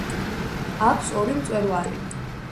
აქვს ორი მწვერვალი.